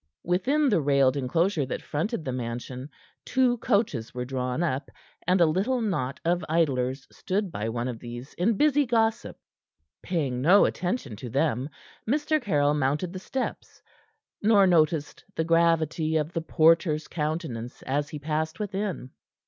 Within the railed enclosure that fronted the mansion two coaches were drawn up, and a little knot of idlers stood by one of these in busy gossip. Paying no attention to them, Mr. Caryll mounted the steps, nor noticed the gravity of the porter's countenance as he passed within.